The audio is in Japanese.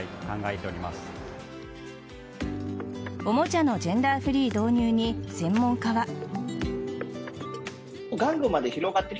おもちゃのジェンダーフリー導入に専門家は。